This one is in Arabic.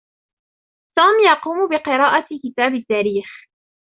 توم يقوم بقرآءة كتاب تاريخ.